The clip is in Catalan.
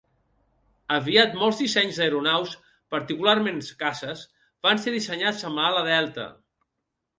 Aviat molts dissenys d'aeronaus, particularment caces, van ser dissenyats amb ala delta.